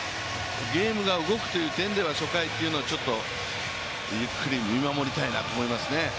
ゲームが動くという点では初回というのはちょっとゆっくり見守りたいなと思いますね。